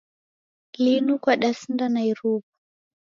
Linu kwadasinda na iruw'a.